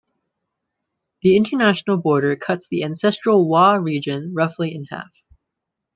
The international border cuts the ancestral Wa region roughly in half.